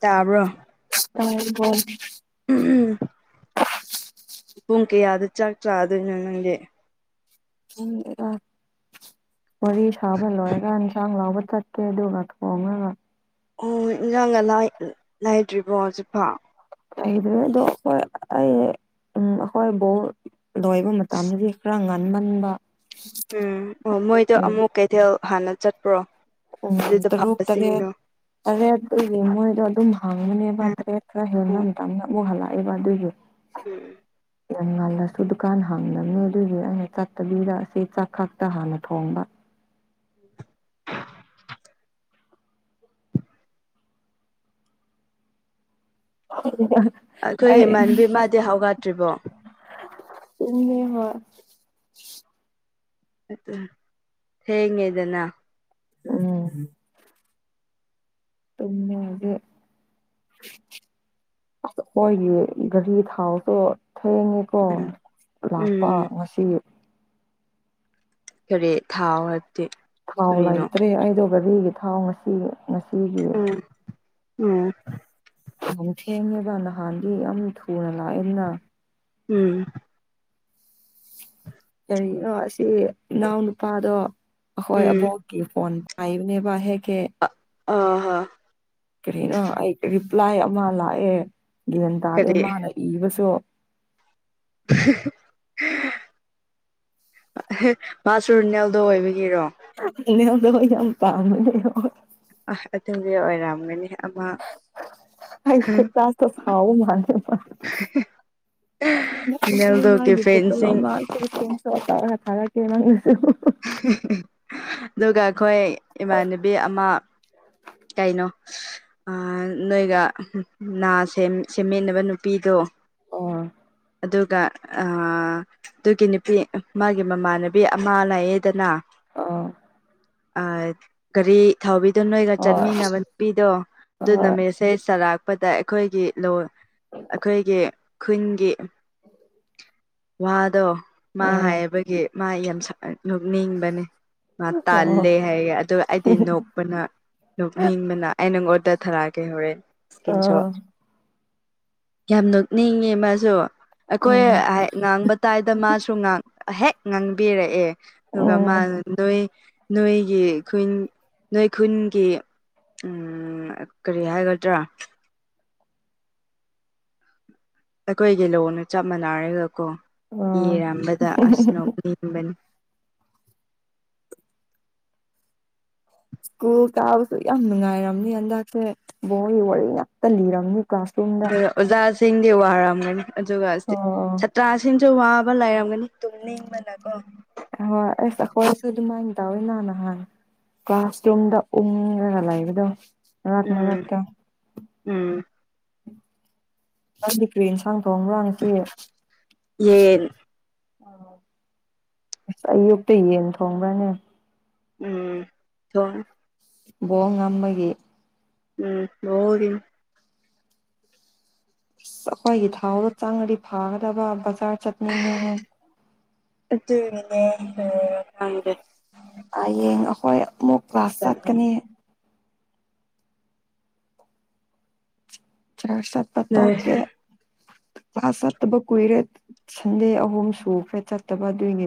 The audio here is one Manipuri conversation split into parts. ꯇꯥꯕ꯭ꯔꯣ ꯑꯣ ꯍ ꯎꯝ ꯎꯝ ꯄꯨꯡ ꯀꯌꯥꯗ ꯆꯥꯛ ꯆꯥꯗꯣꯏꯅꯣ ꯅꯪꯒꯤ ꯎꯝ ꯑ ꯋꯥꯔꯤ ꯁꯥꯕ ꯂꯣꯏꯔꯒ ꯌꯦꯟꯁꯥꯡ ꯂꯥꯎꯕ ꯆꯠꯀꯦ ꯑꯗꯨꯒ ꯊꯣꯡꯉꯒ ꯑꯣ ꯏꯟꯖꯥꯡꯒ ꯂꯥꯏꯗ꯭ꯔꯤꯕꯣ ꯍꯧꯖꯤꯛꯐ ꯑꯗꯨ ꯑꯗꯨ ꯎꯝ ꯑꯩꯈꯣꯏ ꯕꯣꯜ ꯂꯣꯏꯕ ꯃꯇꯝꯗꯗꯤ ꯈꯔ ꯉꯟꯃꯟꯕ ꯎꯝ ꯑꯣ ꯃꯣꯏꯗ ꯎꯝ ꯑꯃꯨꯛ ꯀꯩꯊꯦꯜ ꯍꯥꯟꯅ ꯆꯠꯄ꯭ꯔꯣ ꯎꯝ ꯑꯗꯨꯗ ꯇꯔꯨꯛ ꯇꯔꯦꯠ ꯐꯕꯁꯤꯡꯗꯣ ꯇꯔꯦꯠꯗꯤ ꯃꯣꯏꯗꯣ ꯑꯗꯨꯝ ꯍꯪꯉꯅꯦꯕ ꯑꯣ ꯇꯔꯦꯠ ꯈꯔ ꯍꯦꯟꯅꯝꯇꯞꯅ ꯑꯃꯨ ꯍꯜꯂꯛꯑꯦꯕ ꯑꯗꯨꯑꯣꯏꯁꯨ ꯎꯝ ꯌꯥꯝ ꯉꯜꯂꯁꯨ ꯗꯨꯀꯥꯟ ꯍꯥꯡꯗꯕꯅꯦ ꯑꯗꯨꯒꯤ ꯑꯩꯅ ꯆꯠꯇꯕꯤꯗ ꯑꯁꯤ ꯆꯥꯛꯈꯛꯇ ꯍꯥꯟꯅ ꯊꯣꯡꯕ [unintelligible] ꯍ ꯑꯩꯈꯣꯏꯒꯤ ꯏꯃꯥꯟꯕꯤ ꯃꯥꯗꯤ ꯍꯧꯒꯠꯇ꯭ꯔꯤꯕꯣ ꯁꯤ ꯍ ꯑ ꯍꯦꯡꯉ ꯑꯗꯨꯅ ꯎꯝ ꯊꯃꯗ ꯑ ꯍꯣꯏꯒꯤ ꯒꯥꯔꯤ ꯊꯥꯎꯁꯨ ꯊꯦꯡꯉꯤ ꯍꯣꯏ ꯂꯥꯛꯄ ꯎꯝ ꯉꯁꯤ ꯈꯔꯦ ꯊꯥꯎ ꯍꯥꯗꯤꯦ ꯊꯥꯎ ꯂꯩꯇ꯭ꯔꯦ ꯑꯩꯗ ꯒꯥꯔꯤꯒꯤ ꯊꯥꯎ ꯉꯁꯤ ꯉꯁꯤꯒꯤ ꯎꯝ ꯎꯝ ꯛ ꯊꯦꯡꯉꯦꯕ ꯅꯍꯥꯟꯗꯤ ꯌꯥꯝ ꯊꯨꯅ ꯂꯥꯛꯑꯦꯗꯅ ꯎꯝ ꯀꯔꯤꯒꯤꯅꯣ ꯑꯁꯤ ꯏꯅꯥꯎ ꯅꯨꯨꯄꯥꯗꯣ ꯑꯩꯈꯣꯏ ꯎꯝ ꯑꯕꯣꯛ ꯐꯣꯟ ꯄꯥꯏꯕꯅꯦꯕ ꯍꯦꯛꯒꯦ ꯑꯍ ꯀꯔꯤꯅꯣ ꯑꯩ ꯔꯤꯄ꯭ꯂꯥꯏ ꯑꯃ ꯂꯥꯛꯑꯦ ꯒ꯭ꯟ ꯇꯥꯔꯑꯦ ꯀꯔꯤ ꯃꯥꯅ ꯏꯕꯁꯨ [unintelligible] ꯃꯥꯁꯔꯨꯅꯦꯜꯗꯣ ꯑꯣꯏꯕꯒꯤꯔꯣ ꯏꯗ ꯌꯥꯝ ꯄꯥꯃꯤꯅꯦ ꯑ ꯑꯗꯨꯗꯤ ꯑꯣꯏꯔꯝꯒꯅꯤ ꯑꯃ ꯑꯁ ꯍ ꯐꯦ ꯇꯥꯇ ꯐꯥꯎ ꯃꯥꯅꯦ ꯃꯥ ꯃ ꯅꯦꯜꯗꯣꯒꯤ ꯃꯥꯦ ꯄꯨꯠꯇꯃ ꯐꯦꯟꯁꯤꯡ ꯃꯥ ꯤꯟ ꯁꯣ ꯑꯊꯔ ꯀꯦꯁꯨ [unintelligible] ꯑꯗꯨꯒ ꯑꯩꯈꯣꯏ ꯏꯃꯥꯟꯅꯕꯤ ꯑꯃ [unintelligible] ꯀꯩꯅꯣ ꯑꯥ ꯅꯣꯏꯒ ꯅꯥ ꯁꯦꯝꯃꯤꯟꯅꯕ ꯅꯨꯄꯤꯗꯣ ꯑꯣ ꯑꯗꯨꯒ ꯑꯗꯨꯒꯤ ꯅꯨꯄꯤ ꯃꯥꯒꯤ ꯃꯃꯥꯟꯅꯕꯤ ꯑꯃ ꯂꯌꯦꯗꯅ ꯑꯥ ꯒꯥꯔꯤ ꯊꯥꯎꯕꯤꯗꯣ ꯅꯣꯏꯒ ꯆꯠꯃꯤꯟꯅꯕ ꯅꯨꯄꯤꯗꯣ ꯑꯗꯨꯅꯨ ꯍꯣꯏ ꯃꯠꯁꯦ ꯆꯔꯥꯛ ꯄꯗ ꯑꯩꯈꯣꯏꯒꯤ ꯂꯣ ꯑꯩꯈꯣꯏꯒꯤ ꯈꯨꯟꯒꯤ ꯋꯥꯗꯣ ꯃꯥ ꯍꯥꯏꯕꯒꯤ ꯃꯥ ꯌꯥꯝ ꯅꯣꯛꯅꯤꯡꯕꯅꯦ ꯃꯥ ꯍꯣꯏ ꯎꯝ ꯑꯣ ꯇꯥꯜꯂꯦ ꯍꯥꯏꯒꯦ ꯑꯗꯨꯒ ꯑꯩꯗꯤ ꯅꯣꯛꯄꯅ ꯂꯣꯛꯅꯤꯡꯕꯅ ꯑꯩ ꯅꯪ ꯑꯣꯗꯔ [unintelligible] ꯊꯥꯔꯛꯑꯒꯦ ꯍꯣꯔꯦꯟ ꯏꯁꯀ꯭ꯔꯤꯟ ꯑꯥ ꯁꯣꯠ ꯌꯥꯝ ꯅꯣꯛꯅꯤꯡꯉꯦ ꯃꯥꯁꯨ ꯑꯩꯈꯣꯏ ꯎꯝ ꯉꯥꯡꯕ ꯇꯥꯏꯗ ꯃꯥꯁꯨ ꯍꯦꯛ ꯉꯥꯡꯕꯤꯔꯛꯑꯦ ꯑꯗꯨꯒ ꯎꯝ ꯃꯥꯅ ꯅꯣꯏ ꯅꯣꯏꯒꯤ ꯈꯨꯟ ꯅꯣꯏ ꯈꯨꯟꯒꯤ ꯎꯝ ꯀꯔꯤ ꯍꯥꯏꯒꯗ꯭ꯔꯥ ꯑꯩꯈꯣꯏꯒꯤ ꯂꯣꯟꯅ ꯆꯞ ꯃꯥꯟꯅꯔꯒꯀꯣ ꯑꯥ ꯏꯔꯝꯕꯗ ꯑꯁꯅ ꯅꯤꯡꯦꯝꯕꯅꯤ ꯏꯁ꯭ꯀꯨꯜ ꯀꯥꯕꯁꯨ ꯌꯥꯝ ꯅꯨꯡꯉꯥꯏꯔꯝꯅꯤ ꯍꯟꯗꯛꯁꯦ ꯕꯣꯜꯒꯤ ꯋꯥꯔꯤ ꯉꯥꯛꯇ ꯂꯤꯔꯝꯅꯤ ꯀꯥꯂꯁ ꯔꯨꯝꯗ ꯑꯗꯨꯒ ꯑꯣꯖꯥꯁꯤꯡꯗꯤ ꯋꯥꯔꯝꯒꯅꯤ ꯑꯗꯨꯒ ꯑꯣ ꯍꯣꯏ ꯁꯥꯇ꯭ꯔꯁꯤꯡꯁꯨ ꯋꯥꯕ ꯂꯩꯔꯝꯒꯅꯤ ꯇꯨꯝꯅꯤꯡꯕꯅꯥ ꯀꯣ ꯑ ꯑꯦꯁ ꯑꯈꫭꯏꯁꯨ ꯑꯗꯨꯃꯥꯏ ꯇꯥꯎꯋꯤꯅ ꯅꯍꯥꯟ ꯀ꯭ꯂꯥꯁꯔꯨꯝꯗ ꯎꯪꯉꯒ ꯂꯩꯕꯗꯣ ꯃꯔꯛ ꯎꯝ ꯃꯔꯛꯇ ꯎꯝ ꯅꯪꯗꯤ ꯀ꯭ꯔꯤ ꯏꯟꯁꯥꯡ ꯊꯣꯡꯕ꯭ꯔꯥ ꯉꯁꯤ ꯌꯦꯟ ꯑꯁ ꯑꯌꯨꯛꯇ ꯌꯦꯟ ꯊꯣꯡꯕ꯭ꯔꯥꯅꯦ ꯎꯝ ꯊꫭꯡꯉ‌ꯦ ꯕꯣꯜ ꯉꯝꯕꯒꯤ ꯎꯝ ꯕꫭꯜꯒꯤꯅꯤ ꯑꯁ ꯑꯩꯈꯣꯏꯒꯤ ꯊꯥꯎꯗ ꯆꯥꯡꯉꯗꯤ ꯐꯥꯒꯗꯕ ꯕꯖꯥꯔ ꯆꯠꯅꯤꯡꯉꯦꯅ ꯪꯦ [unintelligible] ꯍꯌꯦꯡ ꯑꯩꯈꯣꯏ ꯑꯃꯨꯛ ꯀ꯭ꯂꯥꯁ ꯆꯠꯀꯅꯤ ꯆꯔꯁ ꯆꯠꯄ ꯅꯣꯏꯁꯨ ꯇꯀꯦ ꯀ꯭ꯂꯥꯁ ꯆꯠꯇꯕ ꯀꯨꯏꯔꯦ ꯁꯟꯗꯦ ꯑꯍꯨꯝ ꯁꯨꯈꯔ‌ꯦ ꯆꯠꯇꯕ ꯑꯗꯨꯏꯅꯦ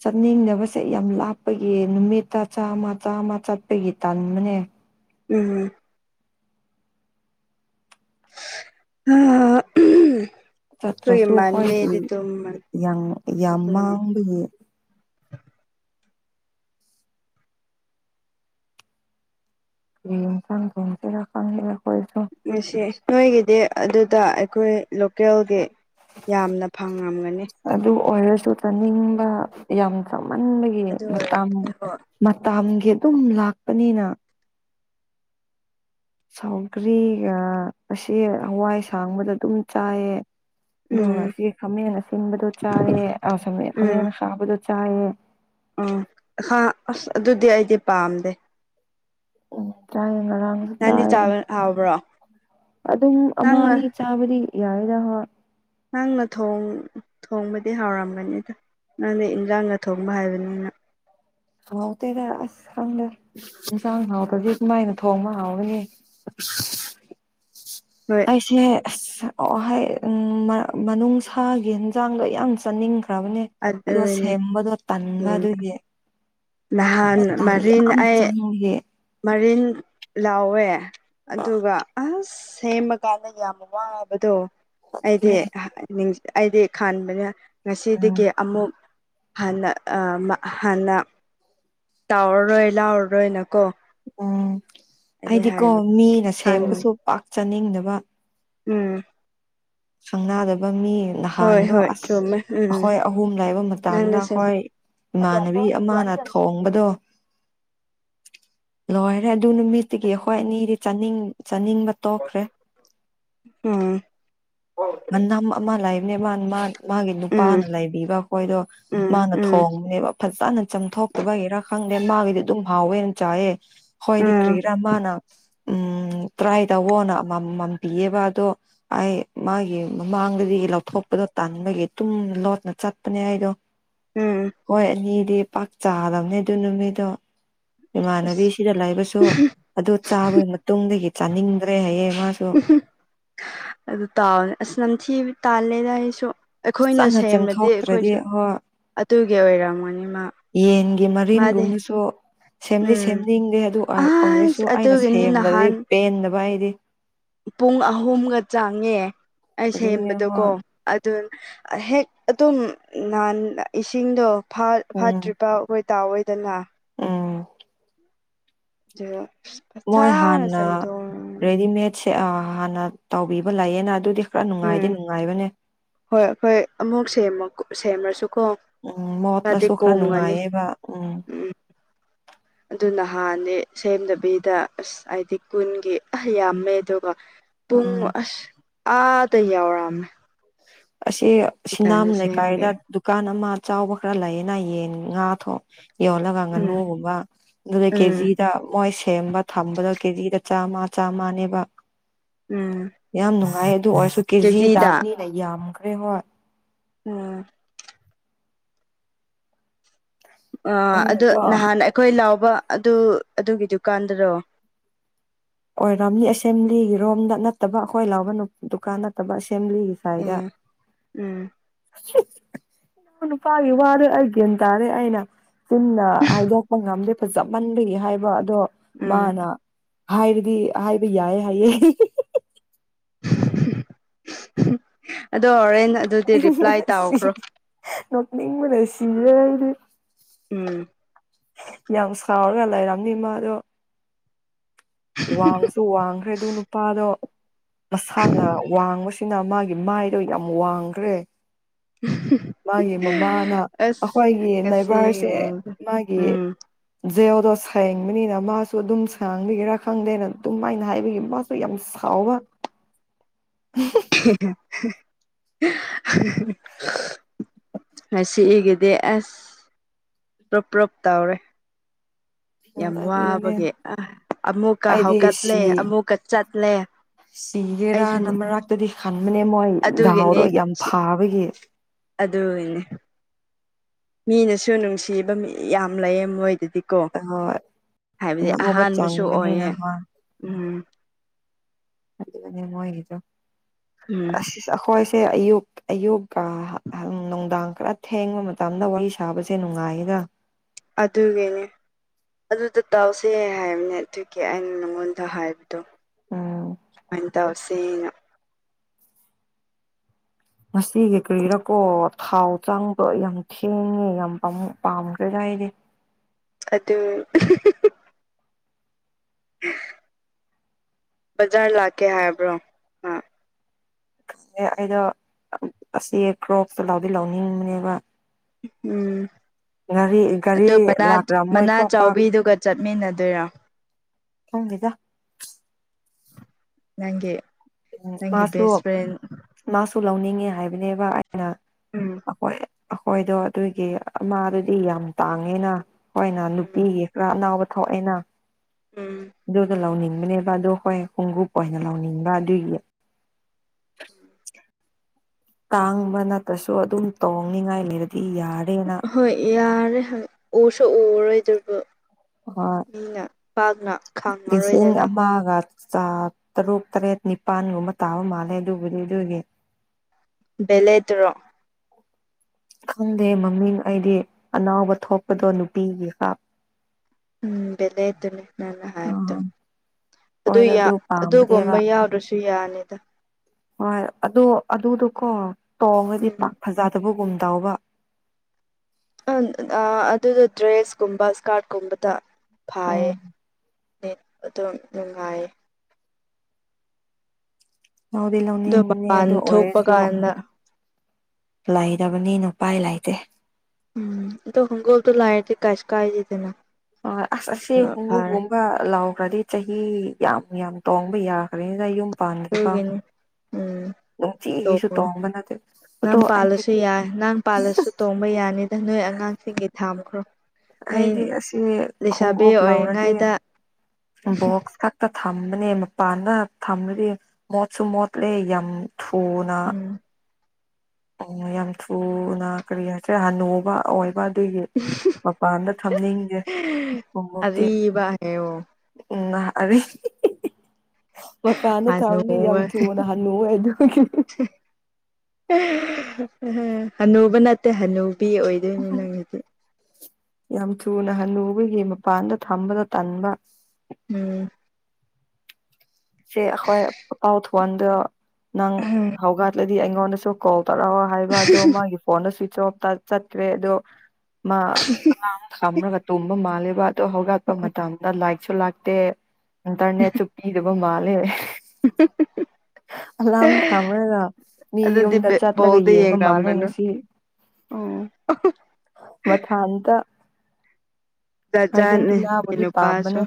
ꯆꯠꯅꯤꯡꯅꯕꯁꯦ ꯌꯥꯝ ꯂꯥꯞꯄꯒꯤ ꯅꯨꯃꯤꯠꯇ ꯆꯥꯝꯃ ꯆꯥꯝꯃ ꯆꯠꯄꯒꯤ ꯇꯟꯕꯅꯦ ꯎꯝ ꯑꯥ [unintelligible] ꯑꯈꫭꯏ ꯆꯠꯇ꯭ꯔꯁꯨ ꯏꯃꯥꯟꯅꯕꯤꯗꯤ ꯑꯩꯈꯣꯏꯒꯤ ꯊꯨꯝꯕꯅꯤ ꯌꯥꯝ ꯌꯥꯝ [unintelligible] ꯀꯔꯤ ꯏꯟꯁꯥꯡ ꯊꫭꯡꯁꯤꯔꯥ ꯈꯪꯗ‌ꯦ ꯑꯈꫭꯏꯁꯨ ꯉꯁꯤ ꯅꯣꯏꯒꯤꯗꯤ ꯑꯗꯨꯗ ꯑꯩꯈꯣꯏ ꯂꯣꯀꯦꯜꯒꯤ ꯌꯥꯝꯅ ꯐꯪꯉꯝꯒꯅꯤ ꯑꯗꯨ ꯑꯣꯏꯔꯁꯨ ꯆꯥꯅꯤꯡꯕ ꯌꯥꯝ ꯆꯃꯟꯕꯒꯤ ꯑꯗꯨ ꯃꯇꯥꯝ ꯑꯣꯏꯔꯝꯒꯅꯤ ꯍꯣꯏ ꯃꯇꯝꯒꯤ ꯑꯗꯨꯝ ꯂꯥꯛꯄꯅꯤꯅ ꯁꯥꯎꯒ꯭ꯔꯤꯒ ꯑꯁꯤ ꯍꯋꯥꯏ ꯁꯥꯡꯕꯗ ꯑꯗꯨꯝ ꯆꯥꯏꯌꯦ ꯎꯝ ꯑꯗꯨꯒ ꯁꯤ ꯈꯥꯃꯦꯟꯅ ꯁꯤꯟꯕꯗꯣ ꯆꯥꯏꯌꯦ ꯑ ꯁ [unintelligible] ꯈꯥꯃꯟꯅ ꯁꯥꯕꯗꯣ ꯆꯥꯏꯌꯦ ꯎꯝ ꯑꯈꯥ ꯑꯗꯨꯗꯤ ꯑꯩꯗꯤ ꯄꯥꯝꯗꯦ ꯎꯝ ꯆꯥꯏ ꯉꯔꯥꯡ ꯅꯪꯗꯤ ꯇꯥꯏꯌꯦ ꯆꯥꯕ ꯍꯥꯎꯕ꯭ꯔꯣ ꯑꯗꯨꯝ ꯑꯃ ꯅꯪꯅ ꯑꯅꯤ ꯆꯥꯕꯗꯤ ꯌꯥꯏꯗꯣꯏ ꯅꯪꯅ ꯊꯣꯡꯕꯗꯤ ꯍꯥꯎꯔꯝꯒꯅꯤꯗ ꯅꯪꯅ ꯏꯟꯖꯥꯡꯒ ꯊꯣꯡꯕ ꯍꯥꯏꯕꯅꯤꯅ ꯍꯥꯎ ꯇꯦꯗ ꯑꯁ ꯈꯪꯗꯦ ꯌꯦꯟꯁꯥꯡ ꯍꯥꯎꯕꯁꯦ ꯀꯃꯥꯏꯅ ꯊꯣꯡꯕ ꯍꯥꯎꯒꯅꯤ ꯍꯣꯏ ꯑꯩꯁꯦ ꯃꯅꯨꯡꯁꯥꯒꯤ ꯏꯟꯁꯥꯡꯗꯣ ꯌꯥꯝ ꯆꯥꯅꯤꯡꯈ꯭ꯔꯕꯅꯦ ꯑꯗꯣ ꯑꯗꯨꯅꯦ ꯁꯦꯝꯕꯗꯣ ꯇꯟꯕ ꯑꯗꯨꯒꯤ ꯅꯍꯥꯟ ꯃꯤ ꯃꯔꯤꯟ ꯌꯥꯝ ꯑꯩ ꯆꯪ ꯃꯔꯤꯟ ꯂꯥꯎꯋꯦ ꯑꯗꯨꯒ ꯑꯁ ꯁꯦꯝꯃ ꯀꯥꯟꯗ ꯌꯥꯝ ꯋꯥꯕꯗꯣ ꯑꯩꯗꯤ ꯑꯗꯨꯅꯦ ꯑꯩꯗꯤ ꯈꯟꯕꯅ ꯎꯝ ꯉꯁꯤꯗꯒꯤ ꯑꯃꯨꯛ ꯍꯟꯅ ꯍꯥꯟꯅ ꯇꯥꯎꯔꯔꯣꯏ ꯂꯥꯎꯔꯔꯣꯏꯅꯀꯣ ꯎꯝ ꯑꯩꯗꯤ ꯍꯥꯏꯗꯤꯀꯣ ꯍꯥꯏꯕ ꯃꯤꯅ ꯈꯟꯕꯅꯦ ꯁꯦꯝꯕꯁꯨ ꯄꯥꯛ ꯆꯥꯅꯤꯡꯗꯕ ꯎꯝ ꯁꯪꯅꯥꯗꯕ ꯃꯤ ꯍꯣꯏ ꯅꯍꯥꯟꯗꯣ ꯍꯣꯏ ꯑꯁ ꯆꯨꯝꯃꯦ ꯎꯝ ꯑꯩꯈꯣꯏ ꯑꯍꯨꯝ ꯂꯩꯥꯛꯕ ꯃꯇꯝꯗ ꯅꯪꯅ ꯁꯦꯝꯕ ꯑꯩꯈꯣꯏ ꯏꯃꯥꯟꯅꯕꯤ ꯑꯃꯅ ꯊꯣꯡꯕꯗꯣ ꯂꯣꯏꯔꯦ ꯑꯗꯨ ꯅꯨꯃꯤꯠꯗꯒꯤ ꯑꯩꯈꯣꯏ ꯑꯅꯤꯗꯤ ꯆꯥꯅꯤꯡꯕ ꯇꯣꯛꯈ꯭ꯔꯦ ꯎꯝ ꯎꯝ ꯃꯅꯝ ꯑꯃ ꯂꯥꯏꯕꯅꯦ ꯃꯥ ꯃꯥ ꯃꯥꯒꯤ ꯎꯝ ꯅꯨꯄꯥꯅ ꯂꯩꯕꯤꯕ ꯑꯩꯈꯣꯏꯗꯣ ꯃꯥꯅ ꯎꯝ ꯊꯣꯡꯕꯅꯦꯕ ꯐꯖꯅ ꯆꯥꯝꯊꯣꯛꯇꯕꯒꯤꯔꯥ ꯈꯪꯗꯦ ꯃꯥꯒꯤꯗꯤ ꯑꯗꯨꯝ ꯍꯥꯎꯋꯦꯅ ꯆꯥꯏꯑ ꯍꯣꯏ ꯎꯝ ꯀꯔꯤꯔ ꯃꯥꯅ ꯎꯝ ꯇ꯭ꯔꯥꯏ ꯇꯧꯋꯣꯅ ꯑꯃꯃꯝꯕꯤꯌꯦꯕ ꯑꯗꯣ ꯑꯩ ꯃꯥꯒꯤ ꯃꯃꯥꯡꯗꯒꯤ ꯂꯧꯊꯣꯛꯄꯗꯣ ꯇꯥꯟꯕꯒꯤ ꯇꯨꯝꯅ ꯂꯣꯠꯅ ꯆꯠꯄꯅꯦ ꯑꯩ ꯎꯝ ꯑꯩꯈꯣꯏ ꯑꯅꯤꯗꯤ ꯄꯥꯛ ꯆꯥꯗꯕꯅꯦ ꯑꯗꯨ ꯅꯨꯃꯤꯠꯗꯣ ꯑꯁ ꯏꯃꯥꯟꯅꯕꯤꯁꯤꯗ ꯂꯩꯥꯛꯕꯁꯨ ꯑꯗꯨ ꯆꯥꯕꯒꯤ ꯃꯇꯨꯡꯗꯒꯤ ꯆꯥꯅꯤꯡꯗ꯭ꯔꯦ ꯍꯥꯏꯌꯦ ꯃꯥꯁꯨ ꯑꯗꯨ ꯇꯥꯎꯅꯤ ꯑꯁ ꯅꯝꯊꯤ ꯇꯥꯜꯂꯦꯗ ꯑꯩꯁꯨ ꯑꯩꯈꯣꯏꯅ ꯐꯖꯅ ꯁꯦꯝꯕꯗꯤ ꯆꯦꯡꯊꯣꯛꯇ꯭ꯔꯗꯤ ꯑꯩꯈꯣꯏꯁꯨ ꯍꯣꯏ ꯑꯗꯨꯒꯤ ꯑꯣꯏꯔꯝꯒꯅꯤ ꯃꯥ ꯌꯦꯟꯒꯤ ꯃꯥꯗꯤ ꯃꯔꯤꯟꯒꯨꯝꯕꯁꯨ ꯁꯦꯝꯗꯤ ꯎꯝ ꯁꯦꯝꯅꯤꯡꯗꯦ ꯑꯗꯨ ꯑꯁ ꯑꯣꯏꯔꯁꯨ ꯑꯩꯅ ꯑꯗꯨꯒꯤꯅꯤ ꯁꯦꯝꯗ꯭ꯔꯗꯤ ꯅꯍꯥꯟ ꯄꯦꯟꯗꯕ ꯑꯩꯗꯤ ꯄꯨꯡ ꯑꯍꯨꯝꯒ ꯆꯥꯡꯉꯦ ꯑꯩ ꯑꯗꯨꯅꯦ ꯍꯣꯏ ꯁꯦꯝꯕꯗꯀꯣ ꯑꯗꯨ ꯍꯦꯛ ꯑꯗꯨꯝ ꯏꯁꯤꯡꯗꯣ ꯎꯝ ꯐꯥꯠꯇ꯭ꯔꯤꯐꯥꯎ ꯍꯣꯏ ꯇꯥꯑꯣꯏꯗꯅ ꯎꯝ ꯑꯗꯨ ꯄꯁꯥ [inaudible] ꯁꯦ ꯍꯥꯟꯅ ꯇꯧꯕꯤꯕ ꯂꯩꯌꯦꯅ ꯑꯗꯨꯗꯤ ꯈꯔ ꯅꯨꯡꯉꯥꯏꯗꯤ ꯎꯝ ꯅꯨꯡꯉꯥꯏꯕꯅꯦ ꯍꯣꯏ ꯑꯩꯈꯣꯏ ꯑꯃꯨꯛ ꯁꯦꯝꯃ ꯁꯦꯝꯃꯁꯨꯀꯣ ꯌꯥꯗꯤ ꯀꯣꯝꯒꯅꯤ ꯑꯣ ꯑꯗꯨꯅꯍꯥꯟꯗꯤ ꯁꯦꯝꯗꯕꯤꯗ ꯑꯁ ꯍꯥꯏꯗꯤ ꯀꯨꯟꯒꯤ ꯑ ꯌꯥꯝꯃꯦ ꯑꯗꯨꯒ ꯄꯨꯡ ꯎꯝ ꯑꯁ ꯑꯥꯗ ꯌꯥꯎꯔꯝꯃꯦ ꯑꯁꯤ ꯁꯤꯅꯥꯝ ꯁꯦꯝꯒꯦ ꯂꯩꯀꯥꯏꯗ ꯗꯨꯀꯥꯟ ꯑꯃ ꯆꯥꯎꯕ ꯈꯔ ꯂꯩꯌꯦꯅ ꯌꯦꯟ ꯉꯥꯊꯣꯛ ꯌꯣꯜꯂꯒꯪ ꯎꯝ ꯉꯥꯅꯨꯒꯨꯝꯕ ꯑꯗꯨꯗ ꯀꯦꯖꯤ ꯎꯝ ꯁꯤꯗ ꯃꯣꯏ ꯁꯦꯝꯕ ꯊꯝꯕꯗꯣ ꯀꯦꯖꯤꯗ ꯆꯥꯝꯃ ꯆꯥꯝꯃꯅꯦꯕ ꯎꯝ ꯌꯥꯝ ꯅꯨꯡꯉꯥꯏ ꯑꯗꯨ ꯑꯣꯏꯔꯁꯨ ꯀꯦꯖꯤ ꯀꯦꯖꯤꯗ ꯇꯥꯕꯅꯤꯅ ꯌꯥꯝꯈ꯭ꯔꯦꯕ ꯑꯥ ꯑꯥ ꯑꯗꯨ ꯑꯩꯅꯀꯣ ꯅꯍꯥꯟ ꯑꯩꯈꯣꯏ ꯂꯥꯎꯕ ꯑꯗꯨ ꯑꯗꯨꯒꯤ ꯗꯨꯀꯥꯟꯗꯔꯣ ꯑꯣꯔꯝꯅꯤ ꯑꯁꯦꯝꯕ꯭ꯂꯤꯒꯤꯔꯣꯝꯗ ꯅꯠꯇꯕ ꯑꯩꯈꯣꯏ ꯂꯥꯎꯕ ꯗꯨꯀꯥꯟ ꯅꯠꯇꯕ ꯑꯁꯦꯝꯕ꯭ꯂꯤꯒꯤ ꯎꯝ [unintelligible] ꯎꯝ ꯅꯨꯄꯥꯒꯤ ꯋꯥꯗꯨ ꯑꯩ ꯒ꯭ꯌꯥꯟ ꯇꯥꯔꯦ ꯑꯩꯅ ꯆꯤꯟꯅ ꯍꯥꯏꯗꯣꯛꯄ ꯉꯝꯗꯦ ꯐꯖꯃꯟꯕꯩ ꯍꯥꯏꯕ ꯑꯗꯣ ꯎꯝ ꯃꯥꯅ ꯍꯥꯏꯕꯗꯤ ꯍꯥꯏꯕ ꯌꯥꯏꯌꯦ ꯍꯥꯏꯌꯦ ꯑꯗꯣ ꯍꯣꯔꯦꯟ ꯑꯗꯨꯗꯤ ꯔꯤꯄ꯭ꯂꯥꯏ ꯇꯧꯈ꯭ꯔꯣ ꯅꯣꯛꯅꯤꯡꯕꯅꯥ ꯁꯤꯔꯦ ꯑꯩꯗꯤ ꯎꯝ ꯌꯥꯝ ꯁꯥꯎꯔꯒ ꯂꯩꯔꯝꯅꯤ ꯃꯥꯗꯣ ꯋꯥꯡꯁꯨ ꯋꯥꯡꯈ꯭ꯔꯦ ꯑꯗꯨ ꯅꯨꯄꯥꯗꯣ ꯃꯁꯥꯅ ꯋꯥꯡꯕꯁꯤꯅ ꯃꯥꯒꯤ ꯃꯥꯏ ꯑꯗꯨ ꯌꯥꯝ ꯋꯥꯡꯈ꯭ꯔꯦ [unintelligible] ꯃꯥꯒꯤ ꯃꯃꯥꯅ ꯑꯁ ꯑꯩꯈꯣꯏꯒꯤ ꯉꯁꯤꯒꯤ ꯅꯥꯏꯕꯔꯁꯦ ꯃꯑꯣꯡꯗ ꯃꯥꯒꯤ ꯎꯝ ꯖꯦꯜꯗꯣ ꯁꯦꯡꯕꯅꯤꯅ ꯃꯥꯁꯨ ꯑꯗꯨꯝ ꯁꯥꯡꯕꯤꯒꯤꯔ ꯈꯪꯗꯦꯅ ꯑꯗꯨꯃꯥꯏꯅ ꯍꯥꯏꯕꯒꯤ ꯃꯥꯁꯨ ꯌꯥꯝ ꯁꯥꯎꯕ [unintelligible] ꯉꯁꯤꯒꯤꯗꯤ ꯑꯁ ꯄꯔꯞ ꯞꯔꯞ ꯇꯧꯔꯦ [inaudible] ꯌꯥꯝ ꯑꯗꯨꯅꯦ ꯋꯥꯕꯒꯤ ꯑꯥ ꯑꯃꯨꯛꯀ ꯑꯩꯗꯤ ꯍꯧꯀꯠꯂꯦ ꯁꯤ ꯑꯃꯨꯛꯀ ꯆꯠꯂꯦ ꯁꯤꯒꯦꯔꯥꯅ ꯑꯩꯁꯨꯅꯦ ꯃꯔꯛꯇꯗꯤ ꯈꯟꯕꯅꯦ ꯃꯣꯏ ꯑꯗꯨꯒꯤꯅꯦ ꯗꯥꯎꯗꯣ ꯌꯥꯝ ꯁꯤ ꯐꯥꯕꯒꯤ ꯑꯗꯨꯒꯤꯅꯦ ꯃꯤꯅꯁꯨ ꯅꯨꯡꯁꯤꯕ ꯃꯤ ꯌꯥꯝ ꯂꯩꯌꯦ ꯃꯣꯏꯗꯗꯤ ꯀꯣ ꯍꯥꯏꯕꯗꯤ ꯑꯅꯧꯕ ꯑꯍꯥꯟꯕꯁꯨ ꯆꯪꯕꯅꯤꯅ ꯑꯣꯏꯌꯦ ꯍꯣꯏ ꯎꯝ ꯑꯗꯨꯒꯅꯦ ꯃꯣꯏꯒꯤꯗꯣ ꯎꯝ ꯑꯁꯤ ꯑꯩꯈꯣꯏꯁꯦ ꯑꯌꯨꯛ ꯑꯌꯨꯛ [unintelligible] ꯅꯨꯡꯗꯥꯡ ꯈꯔ ꯊꯦꯡꯕ ꯃꯇꯝꯗ ꯋꯥꯔꯤ ꯁꯥꯕꯁꯦ ꯅꯨꯡꯉꯥꯏꯌꯦꯗ ꯑꯗꯨꯒꯤꯅꯦ ꯑꯗꯨꯗ ꯇꯧꯁꯦ ꯍꯥꯏꯕꯅꯦ ꯑꯗꯨꯒꯤ ꯑꯩꯅ ꯅꯪꯉꯣꯟꯗ ꯍꯥꯏꯕꯗꯣ ꯎꯝ ꯗꯨꯃꯥꯏ ꯇꯧꯁꯦꯅ ꯉꯁꯤꯒꯤ ꯀꯔꯤꯔꯥꯀꯣ ꯊꯥꯎ ꯆꯪꯕ ꯌꯥꯝ ꯊꯦꯡꯉꯦ ꯌꯥꯝ ꯄꯥꯝꯈ꯭ꯔꯦ ꯑꯩꯗꯤ ꯑꯗꯨ ꯕꯖꯥꯔ ꯂꯥꯛꯀꯦ ꯍꯥꯏꯕ꯭ꯔꯣ ꯑ ꯑꯩꯗꯣ ꯑꯁꯤ ꯀ꯭ꯔꯣꯞꯁꯇꯣ ꯂꯧꯗꯤ ꯂꯧꯅꯤꯡꯕꯅꯦꯕ ꯎꯝ ꯒꯥꯔꯤ ꯒꯥꯔꯤ ꯑꯗꯨ ꯃꯅꯥ ꯃꯅꯥ ꯂꯥꯛꯔꯝꯃꯣꯏꯀꯣ ꯄꯥꯛ ꯆꯥꯎꯕꯤꯗꯨꯒ ꯆꯠꯃꯤꯟꯅꯗꯣꯏꯔꯣ ꯈꯪꯗꯦꯗ ꯅꯪꯒꯤ ꯎꯝ ꯅꯪꯒꯤ ꯃꯥꯁꯨ ꯕꯦꯁ ꯐ꯭ꯔꯦꯟ ꯃꯥꯁꯨ ꯂꯧꯅꯤꯡꯉꯦ ꯍꯥꯏꯕꯅꯦꯕ ꯑꯩꯅ ꯎꯝ ꯑꯩꯈꯣꯏ ꯑꯩꯈꯣꯏꯗꯣ ꯑꯗꯨꯒꯤ ꯃꯥꯗꯨꯗꯤ ꯌꯥꯝ ꯇꯥꯡꯉꯦꯅ ꯑꯩꯈꯣꯏꯅ ꯅꯨꯄꯤꯒꯤ [unintelligible] ꯊꯣꯛꯏꯅ ꯎꯝ ꯑꯗꯨꯒ ꯂꯧꯅꯤꯡꯕꯅꯦꯕ ꯑꯗꯨ ꯍꯣꯏ ꯈꯣꯡꯎꯞ ꯑꯣꯏꯅ ꯂꯧꯅꯤꯡꯕ ꯑꯗꯨꯏꯒꯤ ꯇꯥꯡꯕ ꯅꯠꯇ꯭ꯔꯁꯨ ꯑꯗꯨꯝ ꯇꯣꯡꯅꯤꯉꯥꯏ ꯂꯩꯔꯗꯤ ꯌꯥꯔꯦꯅ ꯍꯣꯏ ꯌꯥꯔꯦ ꯍꫭꯏ ꯎꯁꯨ ꯎꯔꯣꯏꯗꯕꯨ ꯍꯣꯏ ꯃꯤꯅ ꯄꯥꯛꯅ ꯈꯥꯡꯉꯔꯣꯏꯗꯅ ꯃꯒꯥ ꯇꯔꯨꯛ ꯇꯔꯦꯠ ꯅꯤꯄꯥꯜꯒꯨꯝꯕ ꯇꯥꯕ ꯃꯥꯜꯂꯦ ꯑꯗꯨꯕꯨꯗꯤ ꯑꯗꯨꯒꯤ ꯕꯂꯦ ꯇꯔꯣ ꯈꯪꯗꯦ ꯃꯃꯤꯡ ꯑꯩꯗꯤ ꯑꯅꯥꯎꯕ ꯊꯣꯛꯄꯗꯣ ꯅꯨꯄꯤꯒꯤ ꯍꯥꯞ ꯎꯝ ꯚꯦꯂꯦꯠꯇꯨꯅꯤ ꯅꯪꯅ ꯍꯥꯏꯔꯛꯇ ꯎꯝ ꯑꯗꯨ ꯍꯣꯏꯗ ꯑꯗꯨꯒꯨꯝꯕ ꯄꯥꯝꯕꯅꯦꯕ ꯌꯥꯎꯗ꯭ꯔꯁꯨ ꯌꯥꯅꯤꯗ ꯍꯣꯏ ꯑꯗꯨ ꯑꯗꯨꯗꯣꯀꯣ ꯇꯣꯡꯉꯗꯤ ꯎꯝ ꯄꯥꯛ ꯐꯖꯗꯕꯒꯨꯝꯗꯎꯕ ꯑꯗꯨꯗꯣ ꯗ꯭ꯔꯦꯁꯀꯨꯝꯕ ꯏꯁꯀꯥꯔꯠꯀꯨꯝꯕꯗ ꯐꯥꯏꯌꯦ ꯎꯝ ꯅ‌ꯦ ꯑꯗꯨ ꯅꯨꯉꯥꯏꯌ‌ꯦ ꯂꯧꯗꯤ ꯑꯗꯣ ꯂꯧꯅꯤꯡꯕꯅꯦ ꯃꯄꯥꯟ ꯑꯗꯨ ꯊꯣꯛꯄ ꯑꯣꯔꯦꯟꯖꯁꯨ ꯀꯥꯟꯗ ꯂꯩꯗꯕꯅꯤ ꯎꯄꯥꯏ ꯂꯩꯇꯦ ꯎꯝ ꯏꯗꯣ ꯍꯣꯡꯒꯣꯜꯗꯨ ꯂꯥꯏꯗꯤ ꯀꯥꯏꯁꯨ ꯀꯥꯏꯗ‌ꯦꯗꯅ ꯑꯣ ꯑ ꯑꯁꯦ ꯍꯣꯡꯒ [unintelligible] ꯑꯗꯨꯒ ꯂꯥꯎꯈ꯭ꯔꯗꯤ ꯆꯍꯤ ꯌꯥꯝ ꯌꯥꯝ ꯇꯣꯡꯕ ꯌꯥꯈ꯭ꯔꯅꯤꯅ ꯌꯨꯝ ꯄꯥꯟꯗ꯭ꯔꯤꯀꯣ ꯍꯒꯅꯤ ꯎꯝ ꯅꯨꯡꯇꯤꯒꯤꯁꯨ ꯇꯧꯕ꯭ꯔꫭ ꯇꯣꯡꯕ ꯅꯠꯇꯦ ꯑꯗꯣ ꯅꯪ ꯑꯩꯗꯤ ꯄꯥꯜꯂꯁꯨ ꯌꯥꯏ ꯅꯪ ꯄꯥꯜꯂꯁꯨ ꯇꯣꯡꯕ ꯌꯥꯅꯤꯗ ꯅꯣꯏ ꯑꯉꯥꯡꯁꯤꯡꯒꯤ ꯊꯥꯝꯈ꯭ꯔꯣ ꯑꯩ ꯍꯥꯏꯗꯤ ꯑꯁꯤ ꯂꯩꯁꯥꯕꯤ ꯈꯣꯡꯎꯞ ꯂꯥꯎꯔꯗꯤ ꯑꯣꯏꯔꯤꯉꯩꯗ ꯕꯣꯛꯁꯛ [unintelligible] ꯊꯝꯕꯅꯦ ꯃꯄꯥꯟꯗ ꯊꯝꯃꯗꯤ ꯃꯣꯠꯁꯨ ꯃꯣꯠꯂꯦ ꯌꯥꯝ ꯊꯨꯅ ꯎꯝ ꯑꯣ ꯌꯥꯝ ꯊꯨꯅ ꯀꯔꯤ ꯍꯥꯏꯁꯤꯔꯥ ꯍꯅꯨꯕ ꯑꯣꯏꯕ ꯑꯗꯨꯒꯤ ꯃꯄꯥꯟꯗ ꯊꯝꯅꯤꯡꯗ‌ꯦ ꯈꯨꯎꯞꯇꯤ ꯑꯔꯤꯕ ꯍꯥꯏꯌꯣ ꯎꯝ ꯑꯗꯨ [unintelligible] ꯃꯄꯥꯟꯗ ꯊꯝꯃꯗꯤ ꯌꯥꯝ ꯍꯅꯨꯕ ꯊꯨꯅꯥ ꯍꯥꯟꯅꯨꯋ‌ꯦ ꯑꯗꯨꯒꯤ ꯍꯅꯨꯕ ꯅꯠꯇꯦ ꯍꯅꯨꯕꯤ ꯑꯣꯏ ꯌꯥꯝ ꯊꯨꯅ ꯍꯟꯅꯨꯕꯒꯤ ꯃꯄꯥꯟꯗ ꯊꯝꯕꯗ ꯇꯟꯕ ꯎꯝ ꯁꯦ ꯑꯩꯈꯣꯏ ꯄꯥꯎ ꯊꯗ [unintelligible] ꯅꯪ ꯍꯧꯒꯠꯂꯗꯤ ꯑꯩꯉꯣꯟꯗꯁꯨ ꯀꯣꯜ ꯇꯧꯔꯛꯑꯣ ꯍꯥꯏꯕ ꯑꯗꯣ ꯃꯥꯒꯤ ꯐꯣꯟꯗ ꯁ꯭ꯋꯆ ꯑꯣꯐꯇ ꯆꯠꯈ꯭ꯔꯦ ꯑꯗꯣ ꯃꯥ ꯑꯉꯥꯡ ꯊꯝꯔꯒꯥ ꯇꯨꯝꯕ ꯃꯥꯜꯂꯦꯕ ꯑꯗꯨ ꯍꯧꯒꯠꯄ ꯃꯇꯝꯗ ꯂꯥꯏꯛꯁꯨ ꯂꯥꯛꯇꯦ ꯏꯟꯇꯔꯅꯦꯠꯁꯨ ꯄꯤꯗ ꯃꯥꯜꯂꯦ ꯎ [unintelligible] ꯑꯂꯥꯝ ꯊꯝꯔꯒ ꯃꯤ ꯑꯗꯨꯗꯤ ꯌꯨꯝꯗ ꯕ‌ꯦꯠ ꯆꯠꯂꯒ ꯕꫭꯜꯗꯤ ꯌꯦꯡꯕ ꯃꯥꯜꯂꯦ ꯌꯦꯉꯝꯒꯅꯤ ꯉꯁꯤ ꯑꯣ ꯃꯊꯟꯇ ꯖꯥꯠ ꯖꯥꯠꯅꯤ ꯅꯪꯒꯤ ꯅꯨꯄꯁꯨ ꯄꯥꯝꯕꯅꯦ